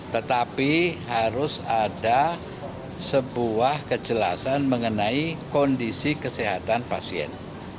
tetapi harus ada sebuah kejelasan mengenai kondisi kesehatan pasien